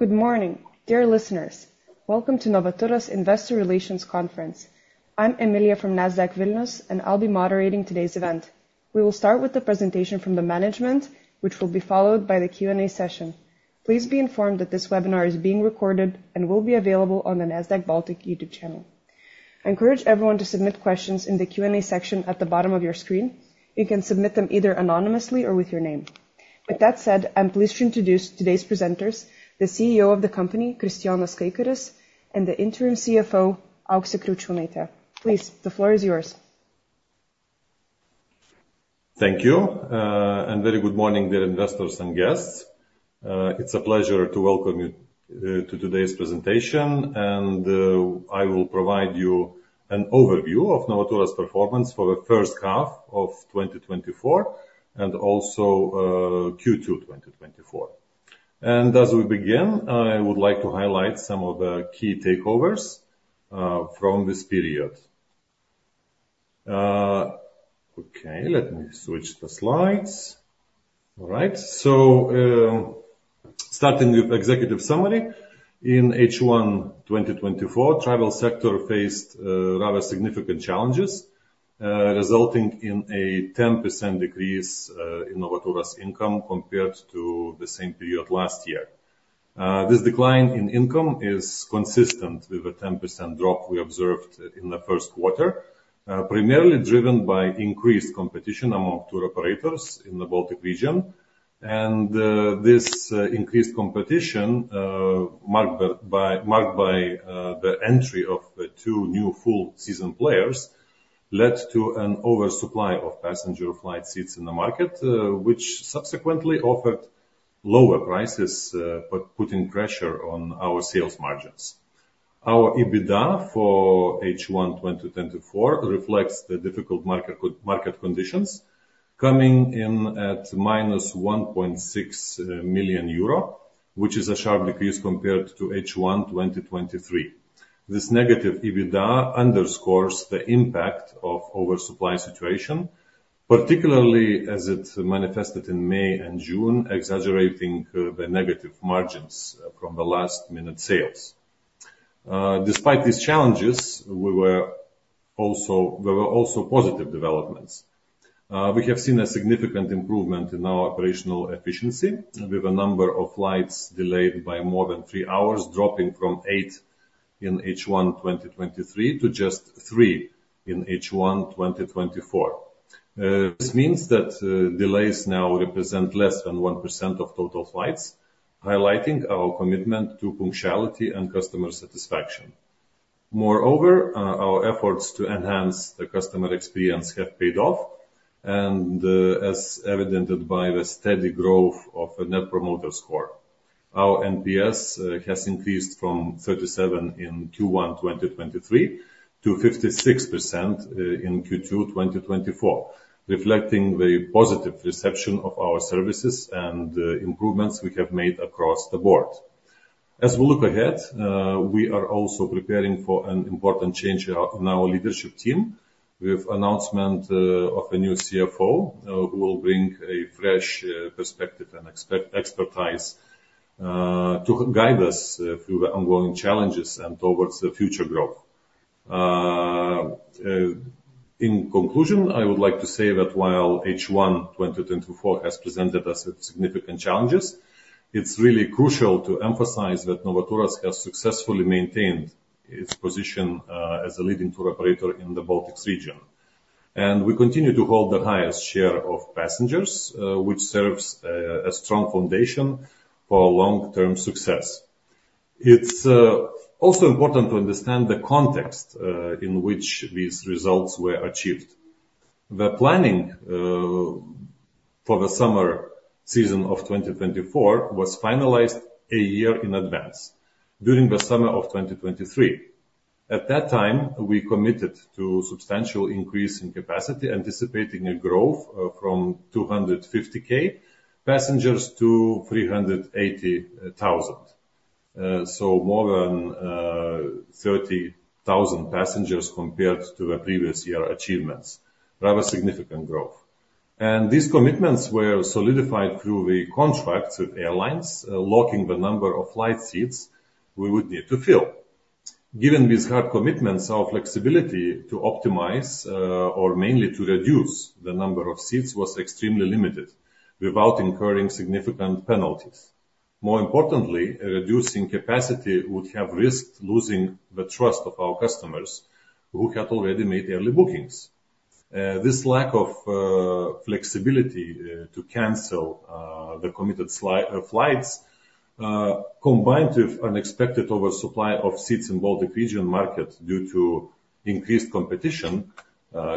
Good morning, dear listeners. Welcome to Novaturas Investor Relations Conference. I'm Emilia from Nasdaq Vilnius, and I'll be moderating today's event. We will start with the presentation from the management, which will be followed by the Q&A session. Please be informed that this webinar is being recorded and will be available on the Nasdaq Baltic YouTube channel. I encourage everyone to submit questions in the Q&A section at the bottom of your screen. You can submit them either anonymously or with your name. With that said, I'm pleased to introduce today's presenters, the CEO of the company, Kristijonas Kaikaris, and the interim CFO, Auksė Kriaučiūnaitė. Please, the floor is yours. Thank you, and very good morning, dear investors and guests. It's a pleasure to welcome you to today's presentation, and I will provide you an overview of Novaturas performance for the first half of 2024 and also Q2 2024 and as we begin, I would like to highlight some of the key takeaways from this period. Okay, let me switch the slides. All right, so starting with executive summary. In H1 2024, travel sector faced rather significant challenges resulting in a 10% decrease in Novaturas income compared to the same period last year. This decline in income is consistent with a 10% drop we observed in the first quarter primarily driven by increased competition among tour operators in the Baltic region. And this increased competition, marked by the entry of the two new full season players, led to an oversupply of passenger flight seats in the market, which subsequently offered lower prices, but putting pressure on our sales margins. Our EBITDA for H1 2024 reflects the difficult market conditions, coming in at -1.6 million euro, which is a sharp decrease compared to H1 2023. This negative EBITDA underscores the impact of oversupply situation, particularly as it manifested in May and June, exaggerating the negative margins from the last minute sales. Despite these challenges, there were also positive developments. We have seen a significant improvement in our operational efficiency, with a number of flights delayed by more than three hours, dropping from eight in H1 2023 to just three in H1 2024. This means that delays now represent less than 1% of total flights, highlighting our commitment to punctuality and customer satisfaction. Moreover, our efforts to enhance the customer experience have paid off, and as evidenced by the steady growth of the Net Promoter Score. Our NPS has increased from 37 in Q1 2023 to 56% in Q2 2024, reflecting the positive reception of our services and improvements we have made across the board. As we look ahead, we are also preparing for an important change in our leadership team with announcement of a new CFO, who will bring a fresh perspective and expertise to guide us through the ongoing challenges and towards the future growth. In conclusion, I would like to say that while H1 2024 has presented us with significant challenges, it's really crucial to emphasize that Novaturas has successfully maintained its position as a leading tour operator in the Baltics region. We continue to hold the highest share of passengers, which serves a strong foundation for long-term success. It's also important to understand the context in which these results were achieved. The planning for the summer season of 2024 was finalized a year in advance during the summer of 2023. At that time, we committed to substantial increase in capacity, anticipating a growth from 250K passengers to 380,000. So more than 30,000 passengers compared to the previous year's achievements. Rather significant growth, and these commitments were solidified through the contracts with airlines, locking the number of flight seats we would need to fill. Given these hard commitments, our flexibility to optimize or mainly to reduce the number of seats was extremely limited without incurring significant penalties. More importantly, reducing capacity would have risked losing the trust of our customers who had already made early bookings. This lack of flexibility to cancel the committed flights, combined with unexpected oversupply of seats in Baltic region market due to increased competition,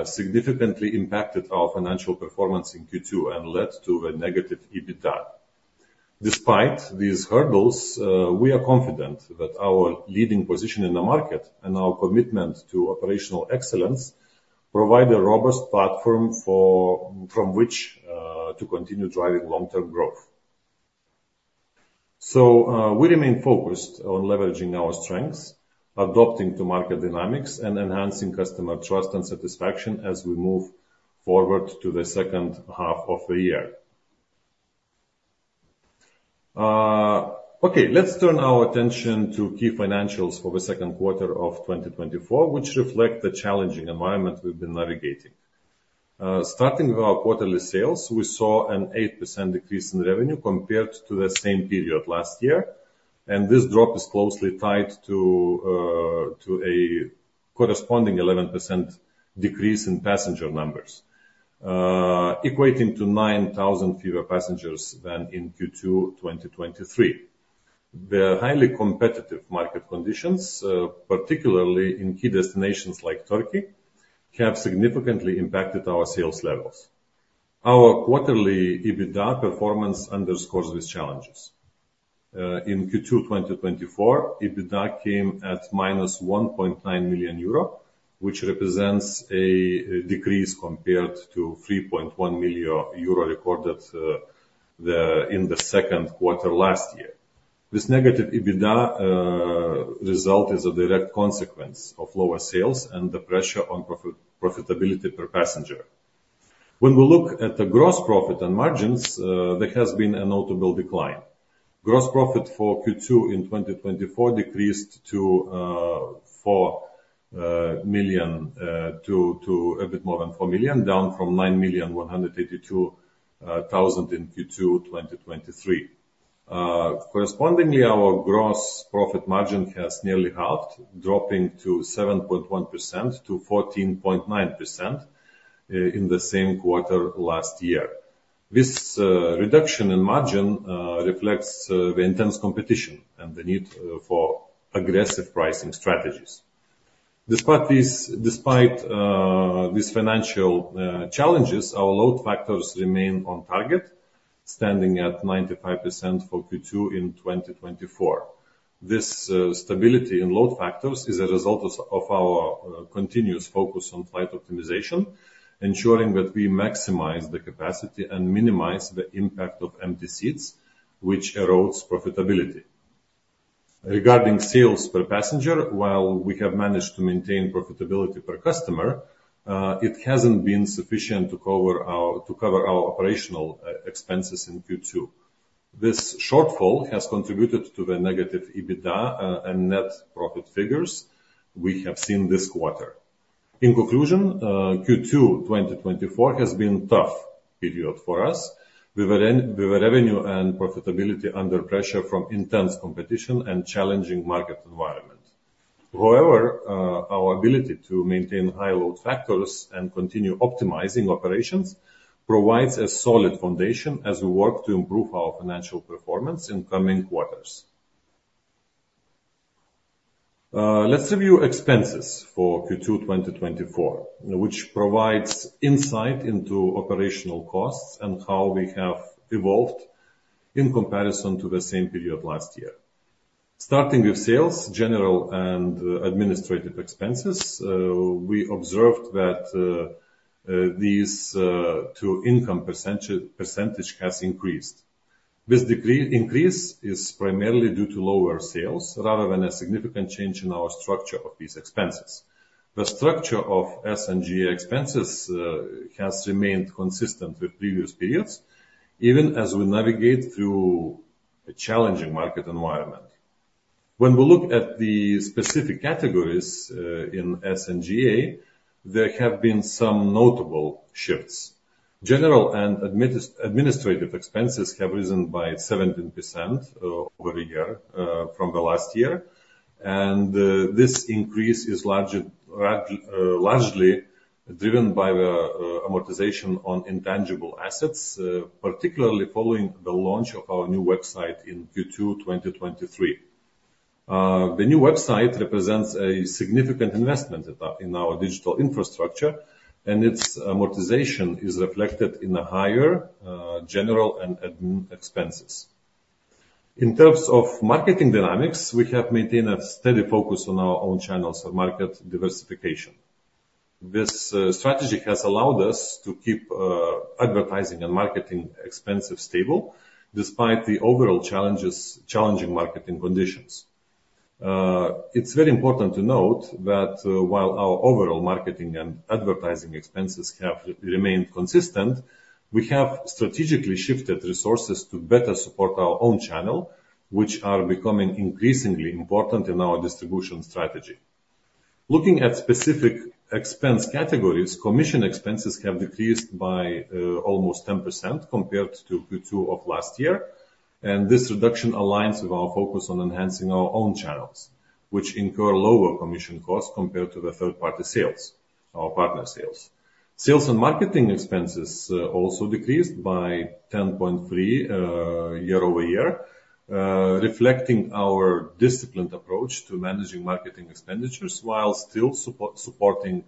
significantly impacted our financial performance in Q2 and led to a negative EBITDA. Despite these hurdles, we are confident that our leading position in the market and our commitment to operational excellence provide a robust platform from which to continue driving long-term growth. We remain focused on leveraging our strengths, adapting to market dynamics, and enhancing customer trust and satisfaction as we move forward to the second half of the year. Okay, let's turn our attention to key financials for the second quarter of 2024, which reflect the challenging environment we've been navigating. Starting with our quarterly sales, we saw an 8% decrease in revenue compared to the same period last year, and this drop is closely tied to a corresponding 11% decrease in passenger numbers, equating to nine thousand fewer passengers than in Q2 2023. The highly competitive market conditions, particularly in key destinations like Turkey, have significantly impacted our sales levels. Our quarterly EBITDA performance underscores these challenges. In Q2 2024, EBITDA came at minus 1.9 million euro, which represents a decrease compared to 3.1 million euro recorded in the second quarter last year. This negative EBITDA result is a direct consequence of lower sales and the pressure on profitability per passenger. When we look at the gross profit and margins, there has been a notable decline. Gross profit for Q2 in 2024 decreased to 4 million to a bit more than 4 million, down from 9,182,000 in Q2 2023. Correspondingly, our gross profit margin has nearly halved, dropping to 7.1% to 14.9% in the same quarter last year. This reduction in margin reflects the intense competition and the need for aggressive pricing strategies. Despite these financial challenges, our load factors remain on target, standing at 95% for Q2 in 2024. This stability in load factors is a result of our continuous focus on flight optimization, ensuring that we maximize the capacity and minimize the impact of empty seats, which erodes profitability. Regarding sales per passenger, while we have managed to maintain profitability per customer, it hasn't been sufficient to cover our operational expenses in Q2. This shortfall has contributed to the negative EBITDA and net profit figures we have seen this quarter. In conclusion, Q2, 2024, has been tough period for us, with the revenue and profitability under pressure from intense competition and challenging market environment. However, our ability to maintain high load factors and continue optimizing operations provides a solid foundation as we work to improve our financial performance in coming quarters. Let's review expenses for Q2, 2024, which provides insight into operational costs and how we have evolved in comparison to the same period last year. Starting with sales, general and administrative expenses, we observed that the SG&A percentage has increased. This increase is primarily due to lower sales, rather than a significant change in our structure of these expenses. The structure of SG&A expenses has remained consistent with previous periods, even as we navigate through a challenging market environment. When we look at the specific categories in SG&A, there have been some notable shifts. General and administrative expenses have risen by 17% over the year from the last year, and this increase is largely driven by the amortization on intangible assets, particularly following the launch of our new website in Q2 2023. The new website represents a significant investment in our digital infrastructure, and its amortization is reflected in the higher general and admin expenses. In terms of marketing dynamics, we have maintained a steady focus on our own channels for market diversification. This strategy has allowed us to keep advertising and marketing expenses stable despite the overall challenges, challenging marketing conditions. It's very important to note that while our overall marketing and advertising expenses have remained consistent, we have strategically shifted resources to better support our own channel, which are becoming increasingly important in our distribution strategy. Looking at specific expense categories, commission expenses have decreased by almost 10% compared to Q2 of last year, and this reduction aligns with our focus on enhancing our own channels, which incur lower commission costs compared to the third-party sales or partner sales. Sales and marketing expenses also decreased by 10.3% year over year, reflecting our disciplined approach to managing marketing expenditures while still supporting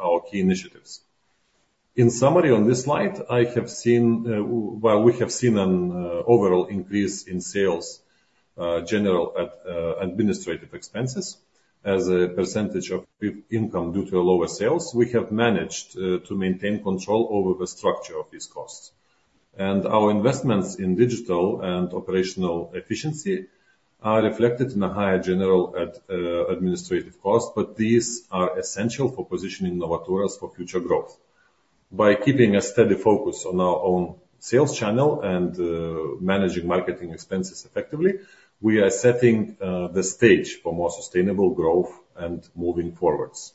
our key initiatives. In summary, on this slide, I have seen while we have seen an overall increase in sales, general and administrative expenses as a percentage of income due to lower sales, we have managed to maintain control over the structure of these costs. Our investments in digital and operational efficiency are reflected in a higher general and administrative cost, but these are essential for positioning Novaturas for future growth. By keeping a steady focus on our own sales channel and managing marketing expenses effectively, we are setting the stage for more sustainable growth and moving forwards.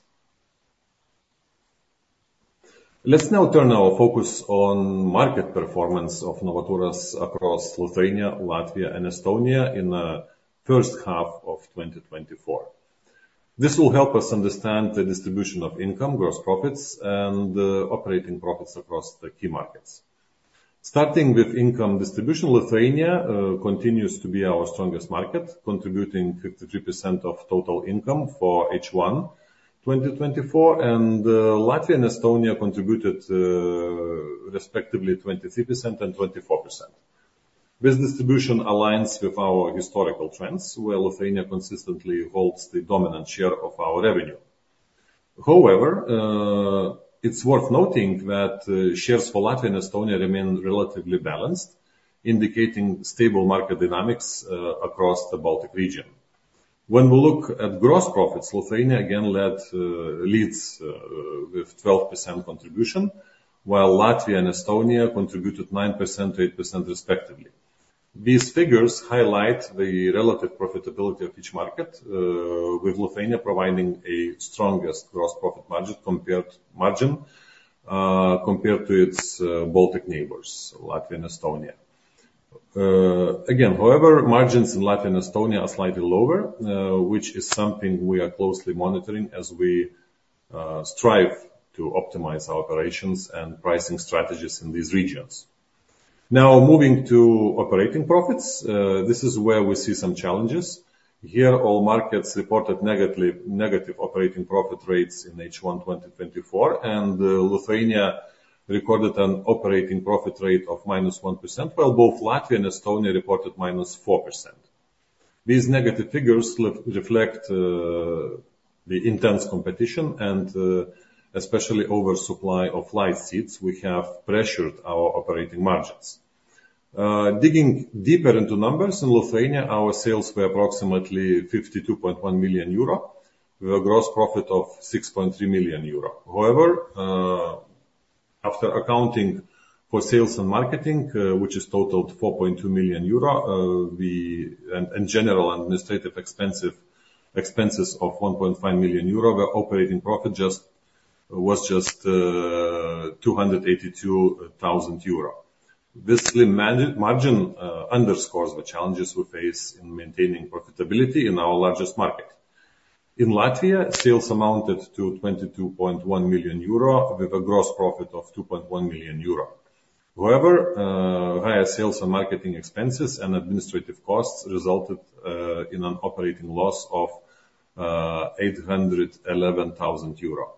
Let's now turn our focus on market performance of Novaturas across Lithuania, Latvia, and Estonia in the first half of 2024. This will help us understand the distribution of income, gross profits, and operating profits across the key markets. Starting with income distribution, Lithuania continues to be our strongest market, contributing 53% of total income for H1 2024, and Latvia and Estonia contributed, respectively, 23% and 24%. This distribution aligns with our historical trends, where Lithuania consistently holds the dominant share of our revenue. However, it's worth noting that shares for Latvia and Estonia remain relatively balanced, indicating stable market dynamics across the Baltic region. When we look at gross profits, Lithuania again leads with 12% contribution, while Latvia and Estonia contributed 9%, 8%, respectively. These figures highlight the relative profitability of each market, with Lithuania providing the strongest gross profit margin compared to its Baltic neighbors, Latvia and Estonia. Again, however, margins in Latvia and Estonia are slightly lower, which is something we are closely monitoring as we strive to optimize our operations and pricing strategies in these regions. Now, moving to operating profits, this is where we see some challenges. Here, all markets reported negative operating profit rates in H1, 2024, and Lithuania recorded an operating profit rate of minus 1%, while both Latvia and Estonia reported minus 4%. These negative figures reflect the intense competition and especially oversupply of flight seats, which have pressured our operating margins. Digging deeper into numbers, in Lithuania, our sales were approximately 52.1 million euro, with a gross profit of 6.3 million euro. However, after accounting for sales and marketing, which totaled 4.2 million euro, and general administrative expenses of 1.5 million euro, our operating profit was just 282,000 euro. This slim margin underscores the challenges we face in maintaining profitability in our largest market. In Latvia, sales amounted to 22.1 million euro, with a gross profit of 2.1 million euro. However, higher sales and marketing expenses and administrative costs resulted in an operating loss of 811,000 euro.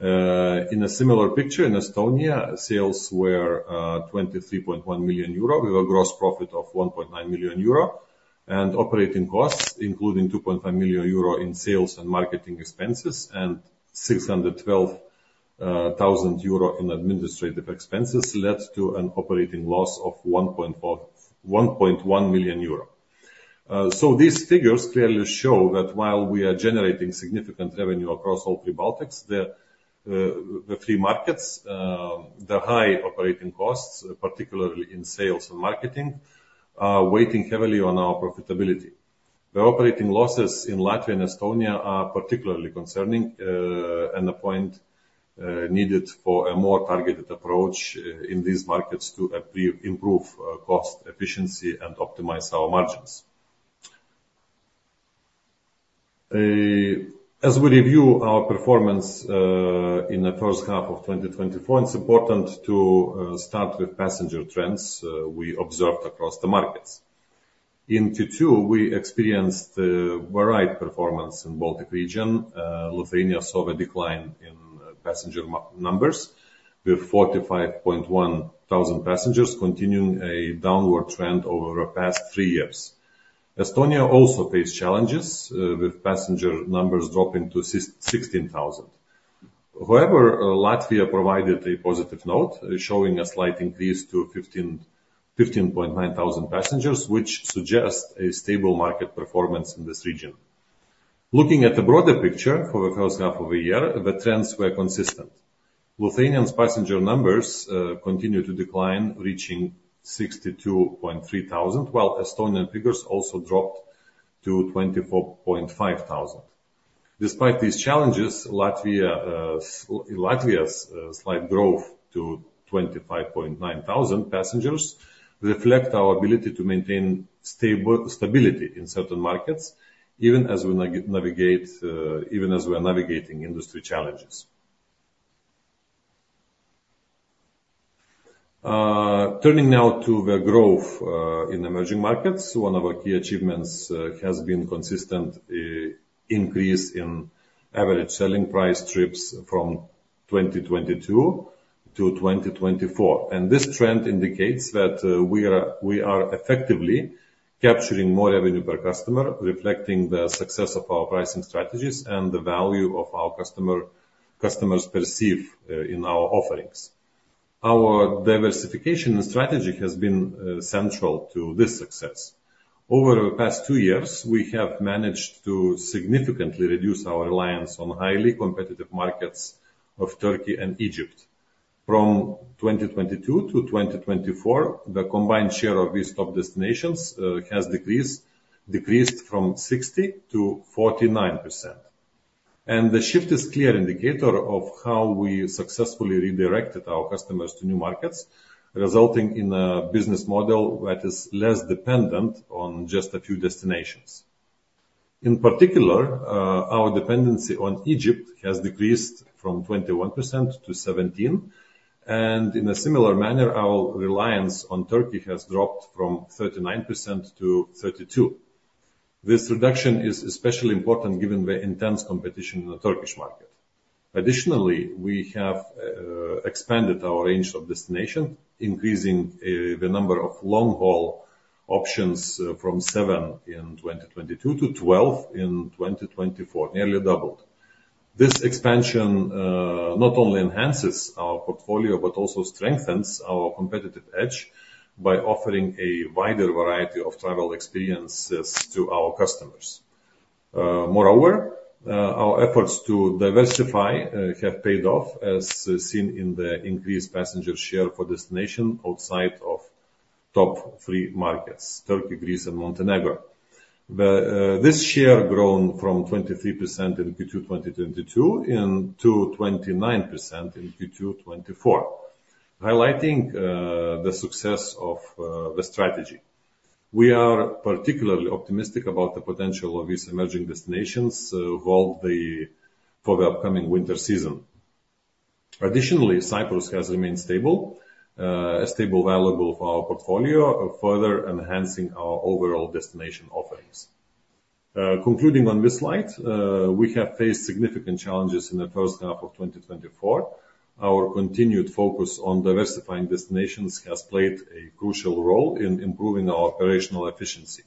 In a similar picture, in Estonia, sales were 23.1 million euro, with a gross profit of 1.9 million euro. Operating costs, including 2.5 million euro in sales and marketing expenses and 612,000 euro in administrative expenses, led to an operating loss of 1.1 million euro. These figures clearly show that while we are generating significant revenue across all three Baltics, the three markets, the high operating costs, particularly in sales and marketing, are weighing heavily on our profitability. The operating losses in Latvia and Estonia are particularly concerning, and point to a need for a more targeted approach in these markets to improve cost efficiency and optimize our margins. As we review our performance in the first half of 2024, it's important to start with passenger trends we observed across the markets. In Q2, we experienced varied performance in Baltic region. Lithuania saw a decline in passenger numbers, with 45.1 thousand passengers continuing a downward trend over the past three years. Estonia also faced challenges with passenger numbers dropping to 16 thousand. However, Latvia provided a positive note, showing a slight increase to 15.9 thousand passengers, which suggests a stable market performance in this region. Looking at the broader picture for the first half of the year, the trends were consistent. Lithuania's passenger numbers continued to decline, reaching 62.3 thousand, while Estonian figures also dropped to 24.5 thousand. Despite these challenges, Latvia's slight growth to 25.9 thousand passengers reflects our ability to maintain stability in certain markets, even as we're navigating industry challenges. Turning now to the growth in emerging markets. One of our key achievements has been consistent increase in average selling price trips from 2022 to 2024. And this trend indicates that we are effectively capturing more revenue per customer, reflecting the success of our pricing strategies and the value our customers perceive in our offerings. Our diversification and strategy has been central to this success. Over the past two years, we have managed to significantly reduce our reliance on highly competitive markets of Turkey and Egypt. From 2022 to 2024, the combined share of these top destinations has decreased from 60% to 49%. And the shift is clear indicator of how we successfully redirected our customers to new markets, resulting in a business model that is less dependent on just a few destinations. In particular, our dependency on Egypt has decreased from 21% to 17%, and in a similar manner, our reliance on Turkey has dropped from 39% to 32%. This reduction is especially important given the intense competition in the Turkish market. Additionally, we have expanded our range of destination, increasing the number of long-haul options from 7 in 2022 to 12 in 2024, nearly doubled. This expansion not only enhances our portfolio, but also strengthens our competitive edge by offering a wider variety of travel experiences to our customers. Moreover, our efforts to diversify have paid off, as seen in the increased passenger share for destinations outside of top three markets: Turkey, Greece, and Montenegro. This share grown from 23% in Q2 2022 to 29% in Q2 2024, highlighting the success of the strategy. We are particularly optimistic about the potential of these emerging destinations for the upcoming winter season. Additionally, Cyprus has remained stable, a stable valuable for our portfolio, further enhancing our overall destination offerings. Concluding on this slide, we have faced significant challenges in the first half of 2024. Our continued focus on diversifying destinations has played a crucial role in improving our operational efficiency.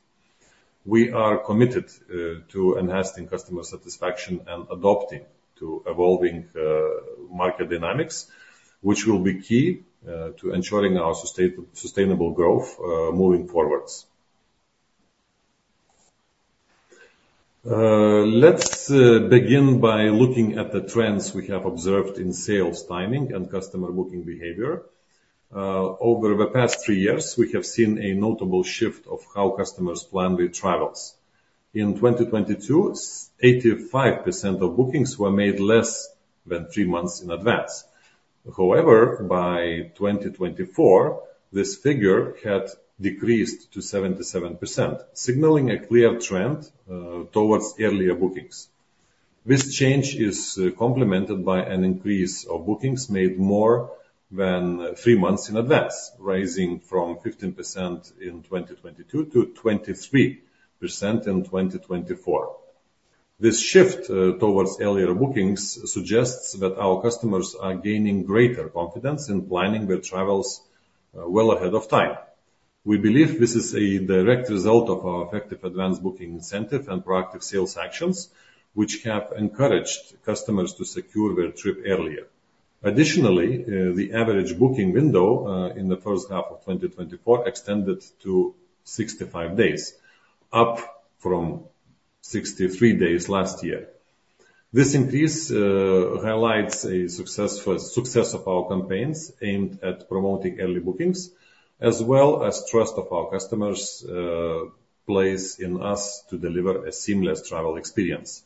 We are committed to enhancing customer satisfaction and adapting to evolving market dynamics, which will be key to ensuring our sustainable growth moving forwards. Let's begin by looking at the trends we have observed in sales timing and customer booking behavior. Over the past three years, we have seen a notable shift of how customers plan their travels. In 2022, 85% of bookings were made less than three months in advance. However, by 2024, this figure had decreased to 77%, signaling a clear trend towards earlier bookings. This change is complemented by an increase of bookings made more than three months in advance, rising from 15% in 2022 to 23% in 2024. This shift towards earlier bookings suggests that our customers are gaining greater confidence in planning their travels well ahead of time. We believe this is a direct result of our effective advanced booking incentive and proactive sales actions, which have encouraged customers to secure their trip earlier. Additionally, the average booking window in the first half of 2024 extended to 65 days, up from 63 days last year. This increase highlights a successful of our campaigns aimed at promoting early bookings, as well as trust of our customers' place in us to deliver a seamless travel experience.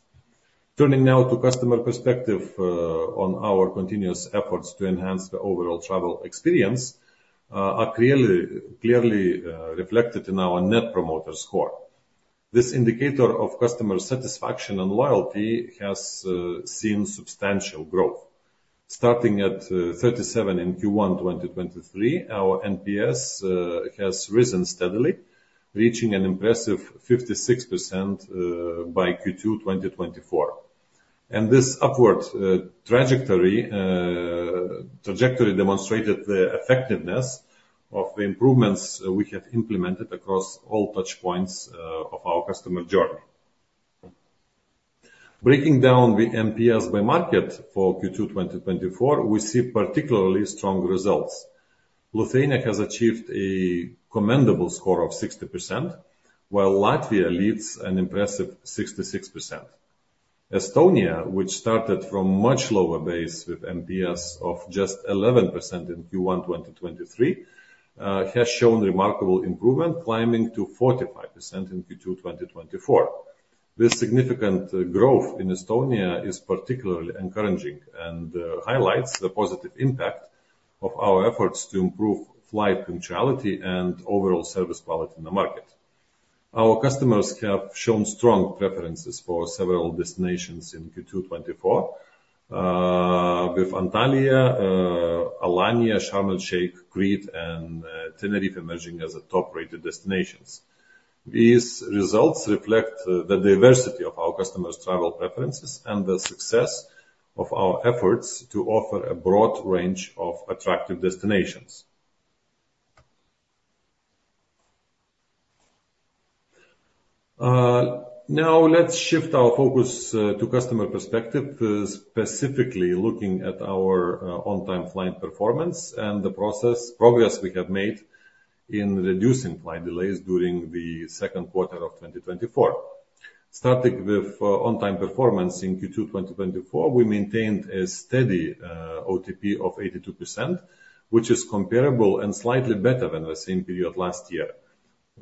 Turning now to customer perspective on our continuous efforts to enhance the overall travel experience are clearly reflected in our Net Promoter Score. This indicator of customer satisfaction and loyalty has seen substantial growth. Starting at 37 in Q1 2023, our NPS has risen steadily, reaching an impressive 56% by Q2 2024, and this upward trajectory demonstrated the effectiveness of the improvements we have implemented across all touchpoints of our customer journey. Breaking down the NPS by market for Q2 2024, we see particularly strong results. Lithuania has achieved a commendable score of 60%, while Latvia leads an impressive 66%. Estonia, which started from much lower base with NPS of just 11% in Q1 2023, has shown remarkable improvement, climbing to 45% in Q2 2024. This significant growth in Estonia is particularly encouraging and highlights the positive impact of our efforts to improve flight punctuality and overall service quality in the market. Our customers have shown strong preferences for several destinations in Q2 2024, with Antalya, Alanya, Sharm el-Sheikh, Crete, and, Tenerife emerging as a top-rated destinations. These results reflect the diversity of our customers' travel preferences and the success of our efforts to offer a broad range of attractive destinations. Now let's shift our focus to customer perspective, specifically looking at our on-time flight performance and the progress we have made in reducing flight delays during the second quarter of 2024. Starting with on-time performance in Q2 2024, we maintained a steady OTP of 82%, which is comparable and slightly better than the same period last year,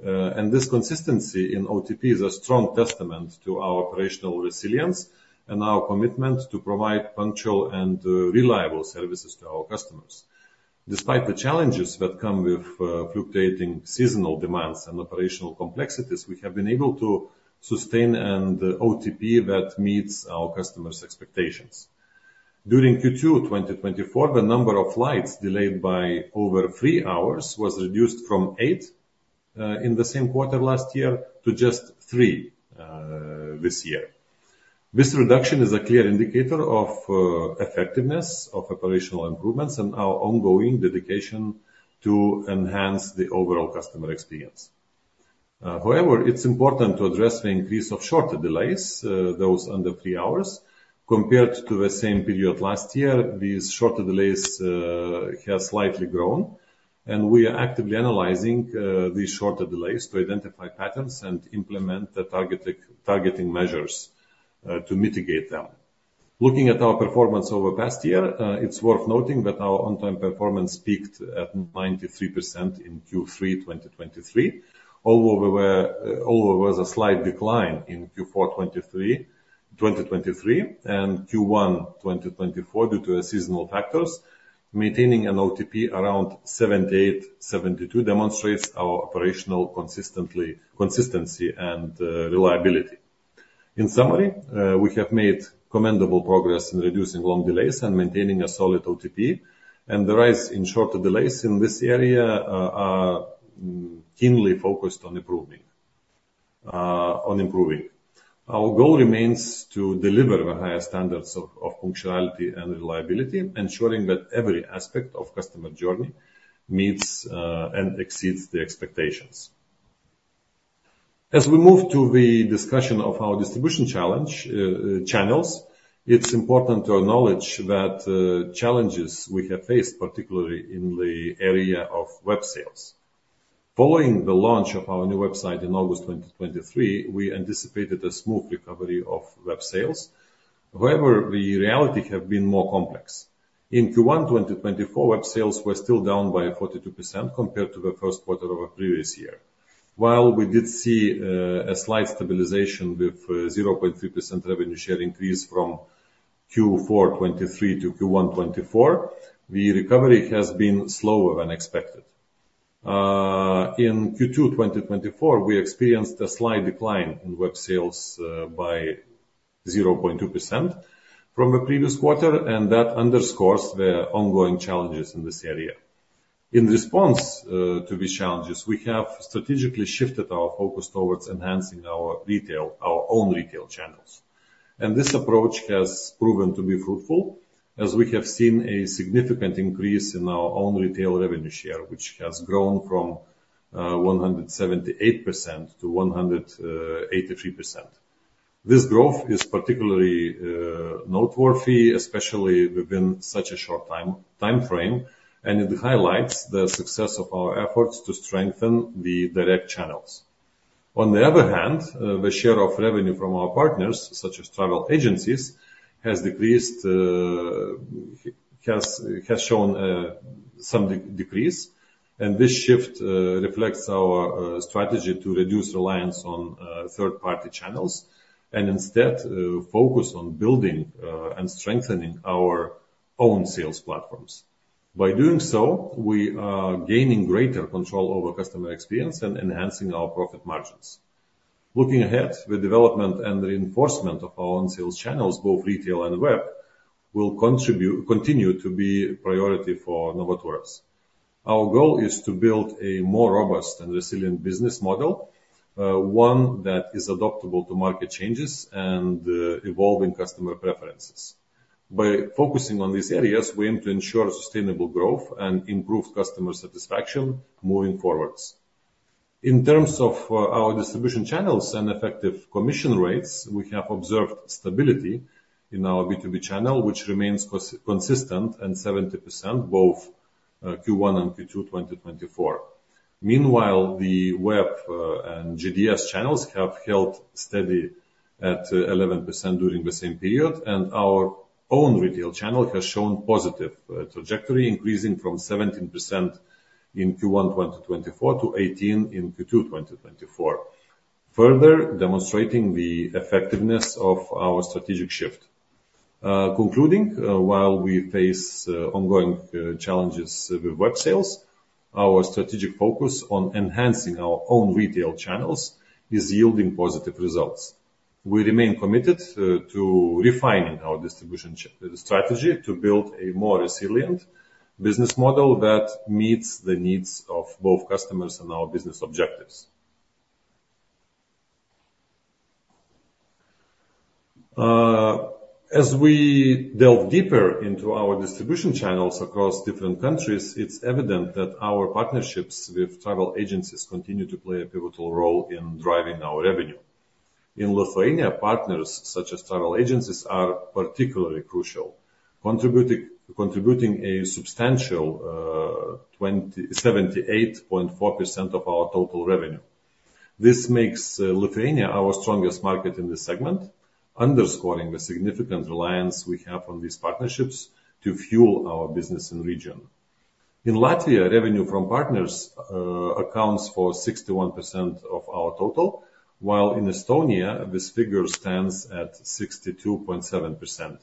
and this consistency in OTP is a strong testament to our operational resilience and our commitment to provide punctual and reliable services to our customers. Despite the challenges that come with fluctuating seasonal demands and operational complexities, we have been able to sustain an OTP that meets our customers' expectations. During Q2 2024, the number of flights delayed by over three hours was reduced from eight in the same quarter last year to just three this year. This reduction is a clear indicator of effectiveness of operational improvements and our ongoing dedication to enhance the overall customer experience. However, it's important to address the increase of shorter delays those under three hours. Compared to the same period last year, these shorter delays have slightly grown, and we are actively analyzing these shorter delays to identify patterns and implement the targeting measures to mitigate them. Looking at our performance over past year, it's worth noting that our on-time performance peaked at 93% in Q3 2023. Although there was a slight decline in Q4 2023 and Q1 2024, due to the seasonal factors, maintaining an OTP around 78.72 demonstrates our operational consistency and reliability. In summary, we have made commendable progress in reducing long delays and maintaining a solid OTP, and the rise in shorter delays in this area are keenly focused on improving. Our goal remains to deliver the highest standards of punctuality and reliability, ensuring that every aspect of customer journey meets and exceeds the expectations. As we move to the discussion of our distribution channels, it's important to acknowledge that challenges we have faced, particularly in the area of web sales. Following the launch of our new website in August 2023, we anticipated a smooth recovery of web sales. However, the reality have been more complex. In Q1 2024, web sales were still down by 42% compared to the first quarter of the previous year. While we did see a slight stabilization with 0.3% revenue share increase from Q4 2023 to Q1 2024, the recovery has been slower than expected. In Q2 2024, we experienced a slight decline in web sales by 0.2% from the previous quarter, and that underscores the ongoing challenges in this area. In response to these challenges, we have strategically shifted our focus towards enhancing our retail, our own retail channels. And this approach has proven to be fruitful, as we have seen a significant increase in our own retail revenue share, which has grown from 178% to 183%. This growth is particularly noteworthy, especially within such a short time, timeframe, and it highlights the success of our efforts to strengthen the direct channels. On the other hand, the share of revenue from our partners, such as travel agencies, has shown some decrease, and this shift reflects our strategy to reduce reliance on third-party channels, and instead focus on building and strengthening our own sales platforms. By doing so, we are gaining greater control over customer experience and enhancing our profit margins. Looking ahead, the development and reinforcement of our own sales channels, both retail and web, will continue to be a priority for Novaturas. Our goal is to build a more robust and resilient business model, one that is adaptable to market changes and, evolving customer preferences. By focusing on these areas, we aim to ensure sustainable growth and improve customer satisfaction moving forward. In terms of, our distribution channels and effective commission rates, we have observed stability in our B2B channel, which remains consistent and 70%, both Q1 and Q2 2024. Meanwhile, the web and GDS channels have held steady at 11% during the same period, and our own retail channel has shown positive trajectory, increasing from 17% in Q1 2024 to 18% in Q2 2024. Further, demonstrating the effectiveness of our strategic shift. Concluding, while we face ongoing challenges with web sales, our strategic focus on enhancing our own retail channels is yielding positive results. We remain committed to refining our distribution strategy to build a more resilient business model that meets the needs of both customers and our business objectives. As we delve deeper into our distribution channels across different countries, it's evident that our partnerships with travel agencies continue to play a pivotal role in driving our revenue. In Lithuania, partners such as travel agencies are particularly crucial, contributing a substantial 78.4% of our total revenue. This makes Lithuania our strongest market in this segment, underscoring the significant reliance we have on these partnerships to fuel our business in region. In Latvia, revenue from partners accounts for 61% of our total, while in Estonia, this figure stands at 62.7%.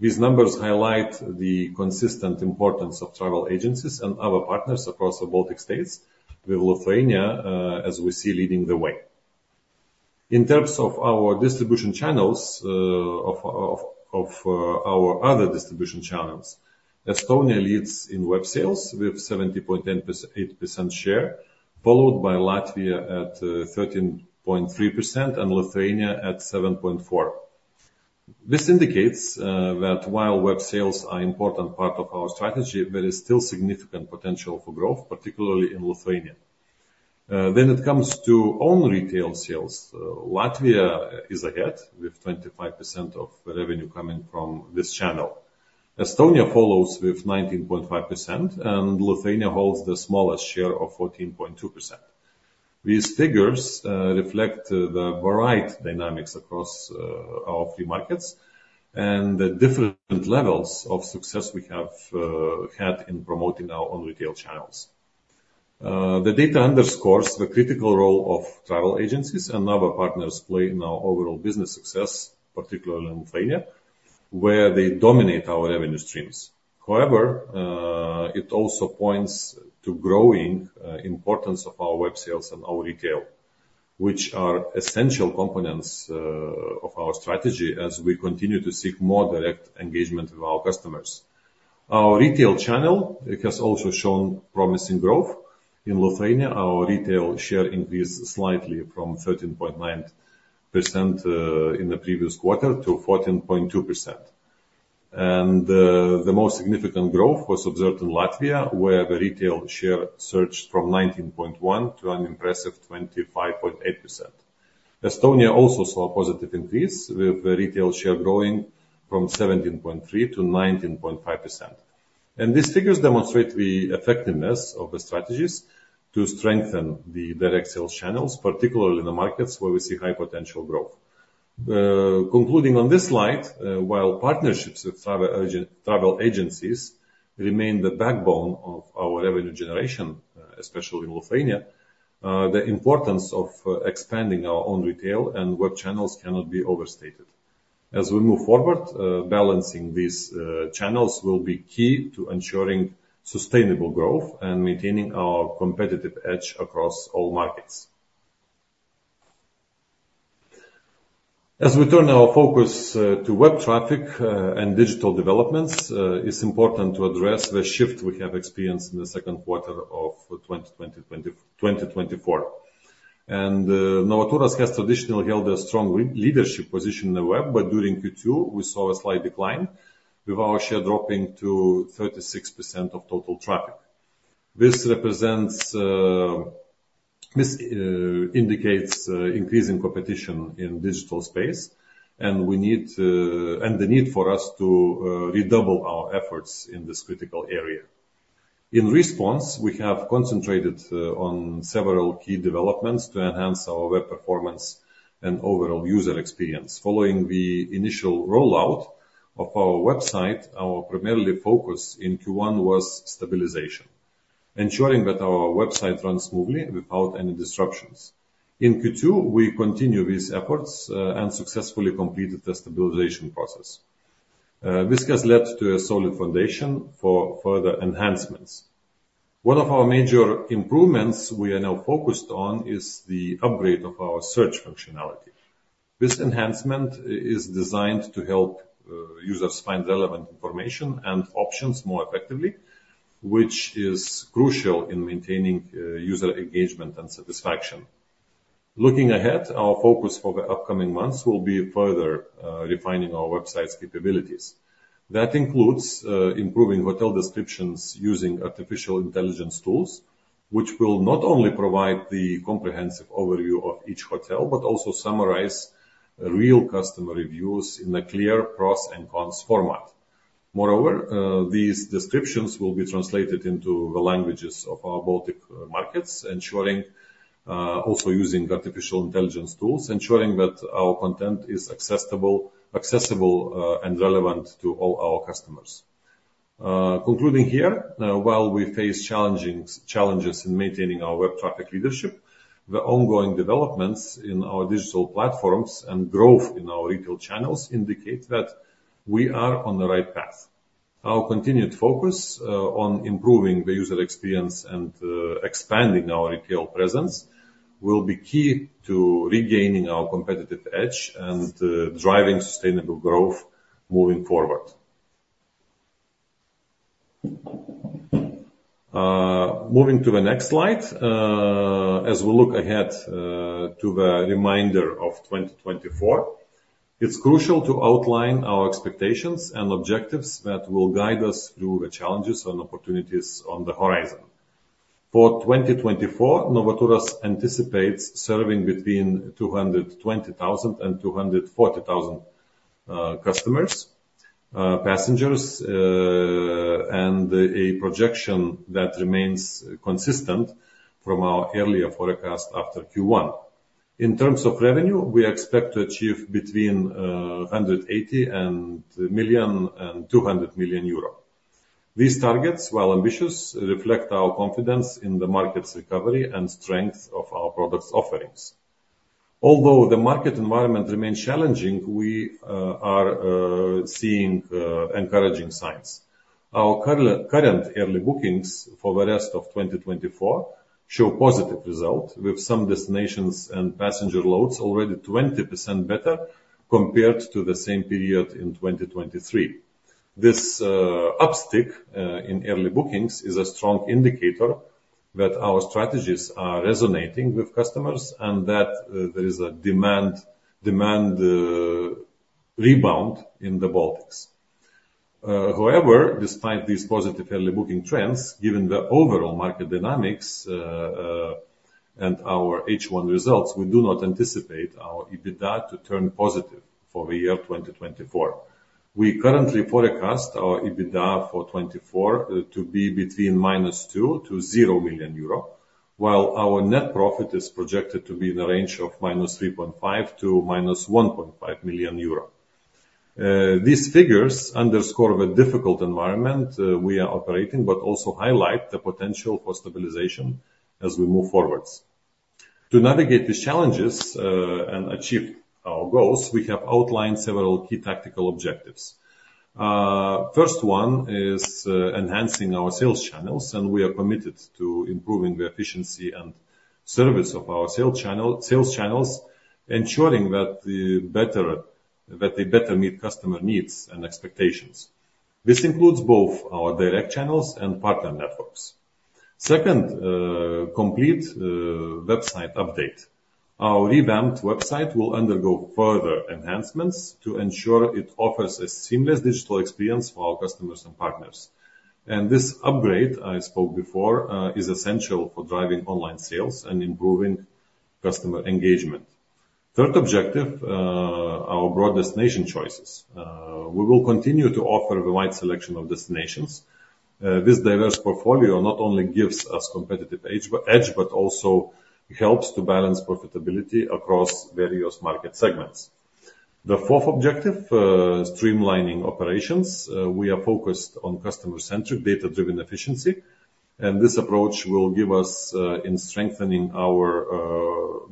These numbers highlight the consistent importance of travel agencies and other partners across the Baltic states, with Lithuania as we see leading the way. In terms of our distribution channels, of our other distribution channels, Estonia leads in web sales with 70.8% share, followed by Latvia at 13.3%, and Lithuania at 7.4%. This indicates that while web sales are important part of our strategy, there is still significant potential for growth, particularly in Lithuania. When it comes to own retail sales, Latvia is ahead, with 25% of revenue coming from this channel. Estonia follows with 19.5%, and Lithuania holds the smallest share of 14.2%. These figures reflect the varied dynamics across our three markets and the different levels of success we have had in promoting our own retail channels. The data underscores the critical role of travel agencies and other partners play in our overall business success, particularly in Lithuania, where they dominate our revenue streams. However, it also points to growing importance of our web sales and our retail, which are essential components of our strategy as we continue to seek more direct engagement with our customers. Our retail channel, it has also shown promising growth. In Lithuania, our retail share increased slightly from 13.9% in the previous quarter to 14.2%. And, the most significant growth was observed in Latvia, where the retail share surged from 19.1 to an impressive 25.8%. Estonia also saw a positive increase, with the retail share growing from 17.3% to 19.5%. And these figures demonstrate the effectiveness of the strategies to strengthen the direct sales channels, particularly in the markets where we see high potential growth. Concluding on this slide, while partnerships with travel agencies remain the backbone of our revenue generation, especially in Lithuania, the importance of expanding our own retail and web channels cannot be overstated. As we move forward, balancing these channels will be key to ensuring sustainable growth and maintaining our competitive edge across all markets. As we turn our focus to web traffic and digital developments, it's important to address the shift we have experienced in the second quarter of 2024. Novaturas has traditionally held a strong leadership position in the web, but during Q2, we saw a slight decline, with our share dropping to 36% of total traffic. This represents... This indicates increasing competition in digital space, and the need for us to redouble our efforts in this critical area. In response, we have concentrated on several key developments to enhance our web performance and overall user experience. Following the initial rollout of our website, our primarily focus in Q1 was stabilization, ensuring that our website runs smoothly without any disruptions. In Q2, we continued these efforts and successfully completed the stabilization process. This has led to a solid foundation for further enhancements. One of our major improvements we are now focused on is the upgrade of our search functionality. This enhancement is designed to help users find relevant information and options more effectively, which is crucial in maintaining user engagement and satisfaction. Looking ahead, our focus for the upcoming months will be further refining our website's capabilities. That includes improving hotel descriptions using artificial intelligence tools, which will not only provide the comprehensive overview of each hotel, but also summarize real customer reviews in a clear pros and cons format. Moreover, these descriptions will be translated into the languages of our Baltic markets, ensuring also using artificial intelligence tools, ensuring that our content is accessible and relevant to all our customers. Concluding here, while we face challenges in maintaining our web traffic leadership, the ongoing developments in our digital platforms and growth in our retail channels indicate that we are on the right path. Our continued focus on improving the user experience and expanding our retail presence will be key to regaining our competitive edge and driving sustainable growth moving forward... Moving to the next slide. As we look ahead to the remainder of 2024, it's crucial to outline our expectations and objectives that will guide us through the challenges and opportunities on the horizon. For 2024, Novaturas anticipates serving between 220,000 and 240,000 customers, passengers, and a projection that remains consistent from our earlier forecast after Q1. In terms of revenue, we expect to achieve between 180 million and 200 million euro. These targets, while ambitious, reflect our confidence in the market's recovery and strength of our product's offerings. Although the market environment remains challenging, we are seeing encouraging signs. Our current early bookings for the rest of 2024 show positive results, with some destinations and passenger loads already 20% better compared to the same period in 2023. This uptick in early bookings is a strong indicator that our strategies are resonating with customers, and that there is a demand rebound in the Baltics. However, despite these positive early booking trends, given the overall market dynamics and our H1 results, we do not anticipate our EBITDA to turn positive for the year 2024. We currently forecast our EBITDA for 2024 to be between -2 million euro and 0, while our net profit is projected to be in the range of -3.5 million to -1.5 million. These figures underscore the difficult environment we are operating, but also highlight the potential for stabilization as we move forward. To navigate these challenges and achieve our goals, we have outlined several key tactical objectives. First one is enhancing our sales channels, and we are committed to improving the efficiency and service of our sales channels, ensuring that they better meet customer needs and expectations. This includes both our direct channels and partner networks. Second, complete website update. Our revamped website will undergo further enhancements to ensure it offers a seamless digital experience for our customers and partners. This upgrade, I spoke before, is essential for driving online sales and improving customer engagement. Third objective, our broad destination choices. We will continue to offer a wide selection of destinations. This diverse portfolio not only gives us competitive edge, but also helps to balance profitability across various market segments. The fourth objective, streamlining operations. We are focused on customer-centric, data-driven efficiency, and this approach will guide us in strengthening our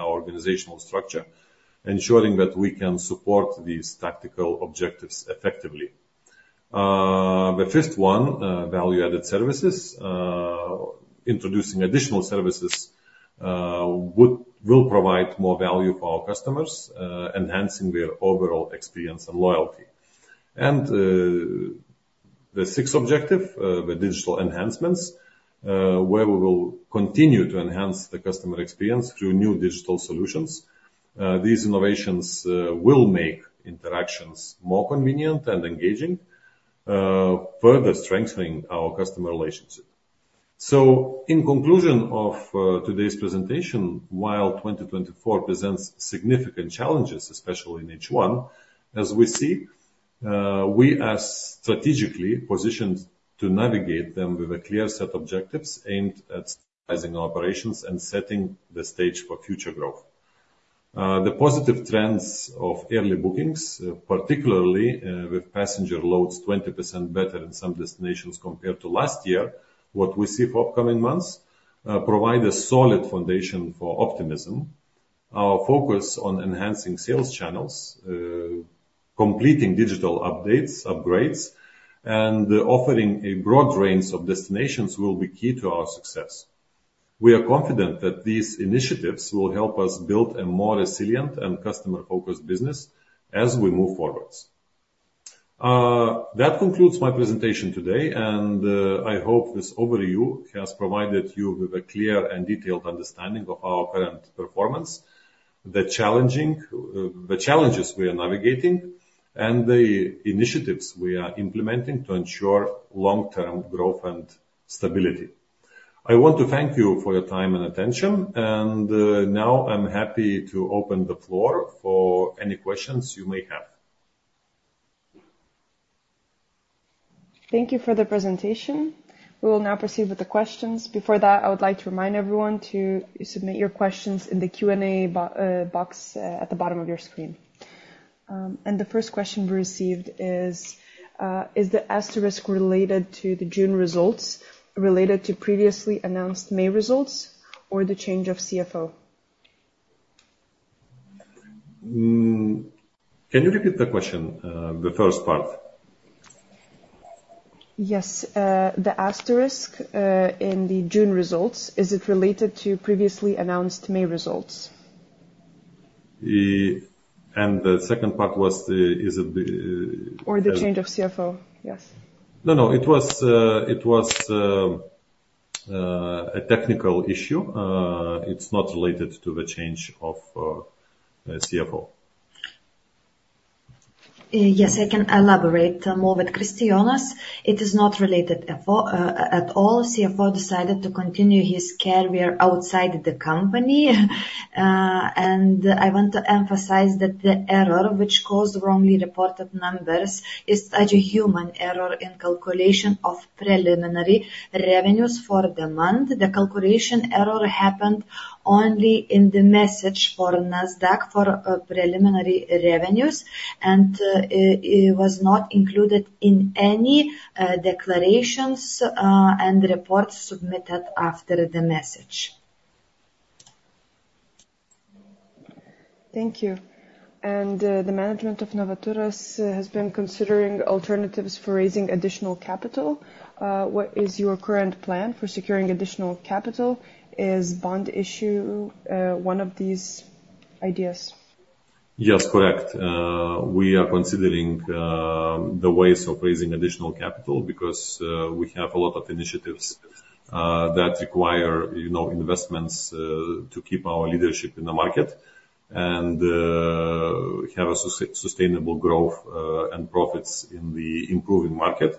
organizational structure, ensuring that we can support these tactical objectives effectively. The fifth one, value-added services. Introducing additional services will provide more value for our customers, enhancing their overall experience and loyalty. The sixth objective, the digital enhancements, where we will continue to enhance the customer experience through new digital solutions. These innovations will make interactions more convenient and engaging, further strengthening our customer relationship. In conclusion of today's presentation, while 2024 presents significant challenges, especially in H1, as we see, we are strategically positioned to navigate them with a clear set of objectives aimed at sizing operations and setting the stage for future growth. The positive trends of early bookings, particularly with passenger loads 20% better in some destinations compared to last year, what we see for upcoming months, provide a solid foundation for optimism. Our focus on enhancing sales channels, completing digital updates, upgrades, and offering a broad range of destinations will be key to our success. We are confident that these initiatives will help us build a more resilient and customer-focused business as we move forward. That concludes my presentation today, and I hope this overview has provided you with a clear and detailed understanding of our current performance, the challenges we are navigating, and the initiatives we are implementing to ensure long-term growth and stability. I want to thank you for your time and attention, and now I'm happy to open the floor for any questions you may have. Thank you for the presentation. We will now proceed with the questions. Before that, I would like to remind everyone to submit your questions in the Q&A box at the bottom of your screen, and the first question we received is: Is the asterisk related to the June results, related to previously announced May results, or the change of CFO? Can you repeat the question? The first part. Yes. The asterisk in the June results, is it related to previously announced May results? And the second part was Or the change of CFO? Yes. No, it was a technical issue. It's not related to the change of the CFO. Yes, I can elaborate more with Kristijonas. It is not related at all, at all. The CFO decided to continue his career outside the company, and I want to emphasize that the error, which caused wrongly reported numbers, is such a human error in calculation of preliminary revenues for the month. The calculation error happened only in the message for Nasdaq for preliminary revenues, and it was not included in any declarations and reports submitted after the message. Thank you. And, the management of Novaturas has been considering alternatives for raising additional capital. What is your current plan for securing additional capital? Is bond issue one of these ideas? Yes, correct. We are considering the ways of raising additional capital because we have a lot of initiatives that require, you know, investments to keep our leadership in the market, and have a sustainable growth and profits in the improving market.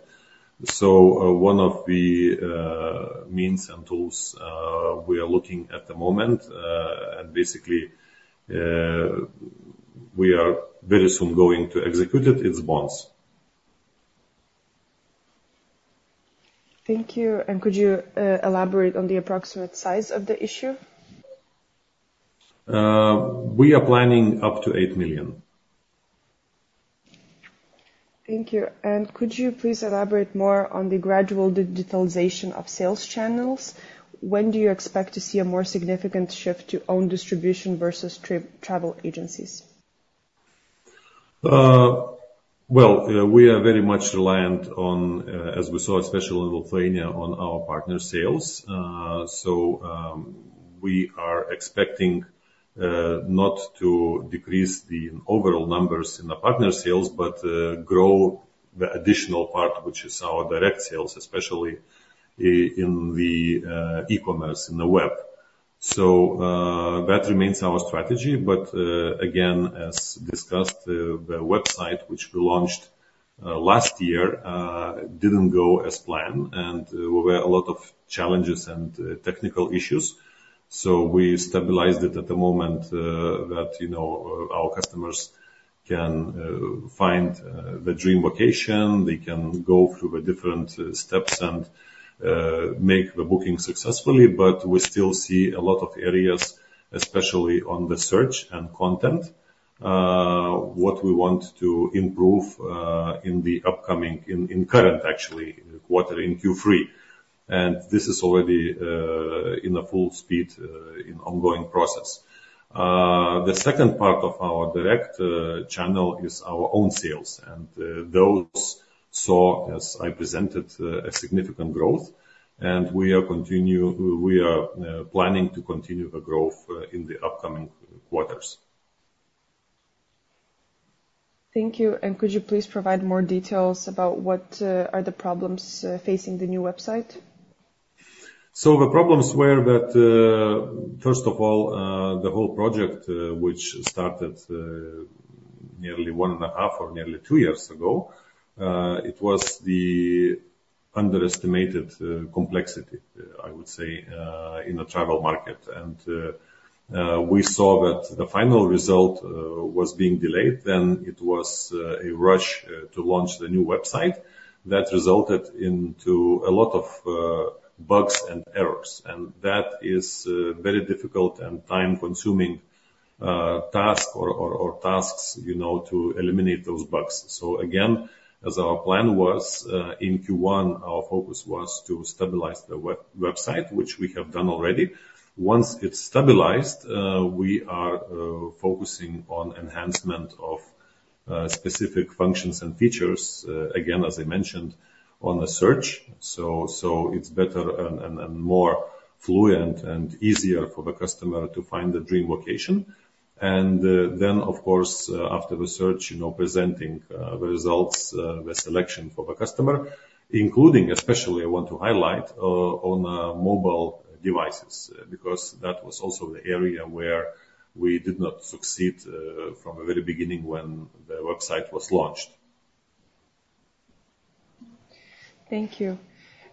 So, one of the means and tools we are looking at the moment and basically we are very soon going to execute it, is bonds. Thank you. And could you elaborate on the approximate size of the issue? We are planning up to eight million. Thank you. And could you please elaborate more on the gradual digitalization of sales channels? When do you expect to see a more significant shift to own distribution versus travel agencies? Well, we are very much reliant on, as we saw, especially in Lithuania, on our partner sales, so we are expecting not to decrease the overall numbers in the partner sales, but grow the additional part, which is our direct sales, especially in the e-commerce, in the web, so that remains our strategy, but again, as discussed, the website, which we launched last year, didn't go as planned, and there were a lot of challenges and technical issues, so we stabilized it at the moment that you know, our customers can find their dream vacation. They can go through the different steps and make the booking successfully. But we still see a lot of areas, especially on the search and content, what we want to improve in the upcoming, in the current, actually, quarter, in Q3. And this is already in the full speed in ongoing process. The second part of our direct channel is our own sales, and those saw, as I presented, a significant growth, and we are planning to continue the growth in the upcoming quarters. Thank you, and could you please provide more details about what are the problems facing the new website? So the problems were that, first of all, the whole project, which started nearly one and a half or nearly two years ago, it was the underestimated complexity, I would say, in the travel market. And we saw that the final result was being delayed, then it was a rush to launch the new website. That resulted into a lot of bugs and errors, and that is very difficult and time-consuming task or tasks, you know, to eliminate those bugs. So again, as our plan was, in Q1, our focus was to stabilize the website, which we have done already. Once it's stabilized, we are focusing on enhancement of specific functions and features, again, as I mentioned, on the search. So it's better and more fluent and easier for the customer to find their dream vacation. And then, of course, after the search, you know, presenting the results, the selection for the customer, including, especially, I want to highlight on mobile devices, because that was also the area where we did not succeed from the very beginning when the website was launched. Thank you,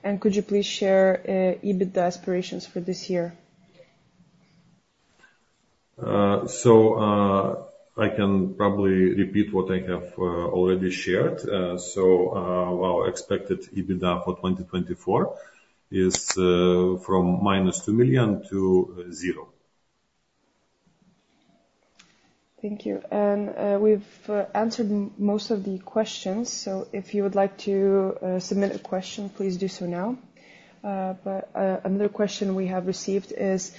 and could you please share EBITDA aspirations for this year? I can probably repeat what I have already shared. Our expected EBITDA for 2024 is from 2 million to 0. Thank you. And we've answered most of the questions, so if you would like to submit a question, please do so now. But another question we have received is: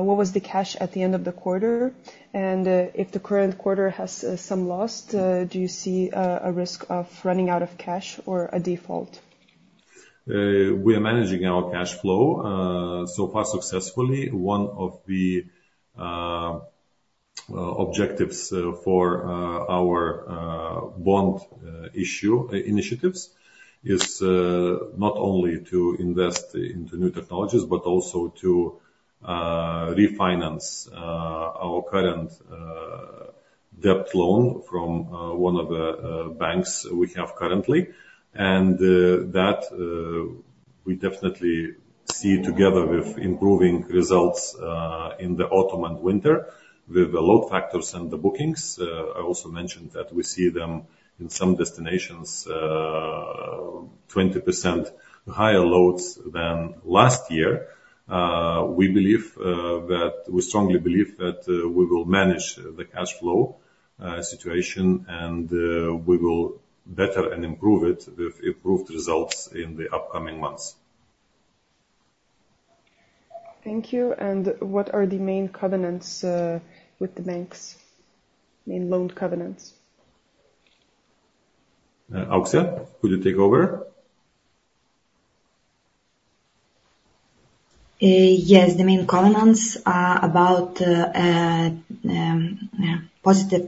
What was the cash at the end of the quarter? And if the current quarter has some loss, do you see a risk of running out of cash or a default? We are managing our cash flow so far successfully. One of the objectives for our bond issue initiatives is not only to invest into new technologies, but also to refinance our current debt loan from one of the banks we have currently, and that we definitely see together with improving results in the autumn and winter, with the load factors and the bookings. I also mentioned that we see them in some destinations 20% higher loads than last year. We believe that we strongly believe that we will manage the cash flow situation, and we will better and improve it with improved results in the upcoming months. Thank you. And what are the main covenants with the banks? Main loan covenants. Auksė, could you take over? Yes. The main covenants are about positive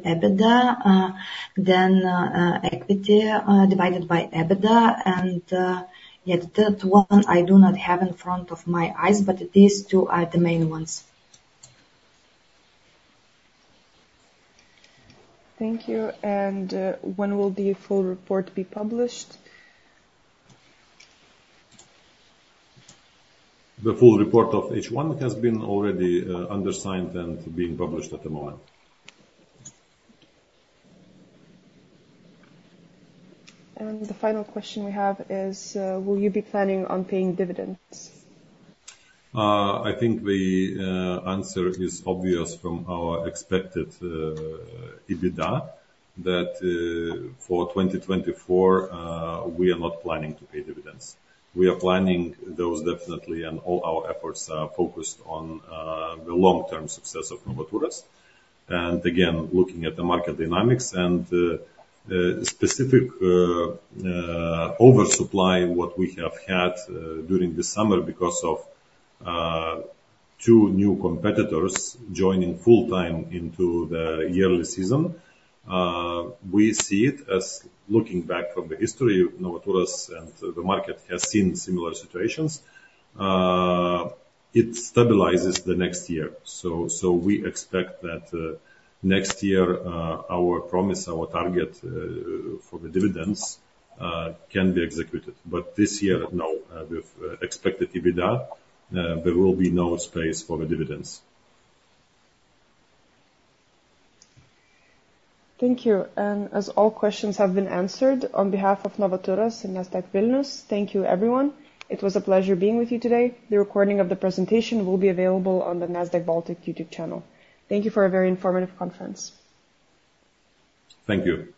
EBITDA, then equity divided by EBITDA, and the third one I do not have in front of my eyes, but these two are the main ones. Thank you. And, when will the full report be published? The full report of H1 has been already issued and being published at the moment. The final question we have is, will you be planning on paying dividends? I think the answer is obvious from our expected EBITDA that for 2024 we are not planning to pay dividends. We are planning those definitely, and all our efforts are focused on the long-term success of Novaturas. And again, looking at the market dynamics and specific oversupply what we have had during the summer because of two new competitors joining full-time into the yearly season. We see it as looking back from the history of Novaturas, and the market has seen similar situations. It stabilizes the next year, so we expect that next year our promise, our target for the dividends can be executed. But this year, no, with expected EBITDA there will be no space for the dividends. Thank you. And as all questions have been answered, on behalf of Novaturas and Nasdaq Vilnius, thank you, everyone. It was a pleasure being with you today. The recording of the presentation will be available on the Nasdaq Baltic YouTube channel. Thank you for a very informative conference. Thank you.